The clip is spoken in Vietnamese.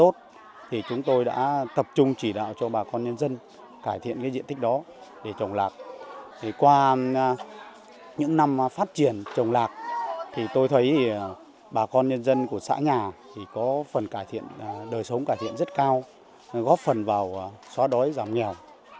thì tôi thấy bà con nhân dân của xã nhà thì có phần cải thiện đời sống cải thiện rất cao góp phần vào xóa đói giảm nghèo